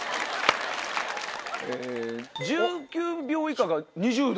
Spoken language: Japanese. １９秒以下が２０代。